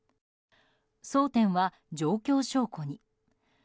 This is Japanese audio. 争点は状況証拠に。